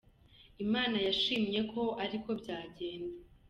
Imana yashimye ko ari ko bigenda.